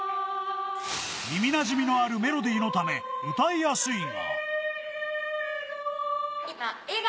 耳なじみのあるメロディーのため歌いやすいが。